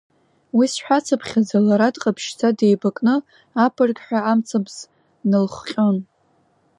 Уи сҳәацыԥхьаӡа, лара дҟаԥшьшьӡа деибакны, аԥырқьҳәа амцабз налыхҟьон.